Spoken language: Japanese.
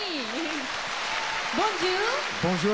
ボンジュール。